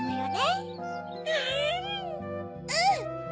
うん！